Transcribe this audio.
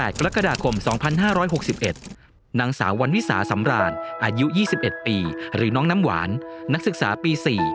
กรกฎาคม๒๕๖๑นางสาววันวิสาสำราญอายุ๒๑ปีหรือน้องน้ำหวานนักศึกษาปี๔